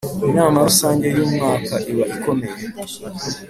inama rusange y’ umwaka iba ikomeye.